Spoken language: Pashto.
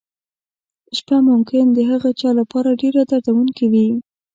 شپه ممکن د هغه چا لپاره ډېره دردونکې وي.